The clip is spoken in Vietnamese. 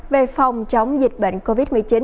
về phòng chống dịch bệnh covid một mươi chín